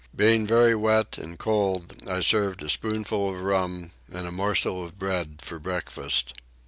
Being very wet and cold I served a spoonful of rum and a morsel of bread for breakfast.